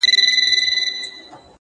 وخت د فرصتونو خاموشه ازموینوونکی دی,